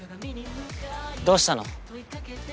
どうしたの？